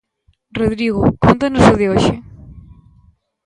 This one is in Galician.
Rodrigo, cóntanos o de hoxe?